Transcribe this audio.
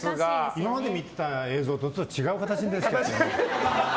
今まで見てた映像と違う形ですけど。